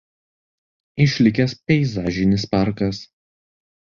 Išlikęs peizažinis parkas.